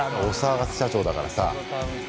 お騒がせ社長だからさ。